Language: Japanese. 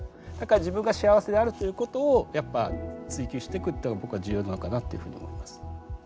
だから自分が幸せであるということをやっぱ追求してくっていうのは僕は重要なのかなっていうふうに思います。